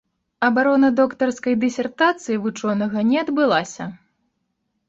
Абарона доктарскай дысертацыі вучонага не адбылася.